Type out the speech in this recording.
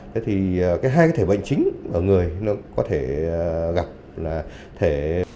thế thì hai thể bệnh chính ở người nó có thể gặp là thể